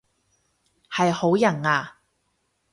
係好人啊？